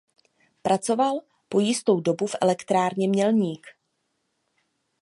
Pracoval po jistou dobu v elektrárně Mělník.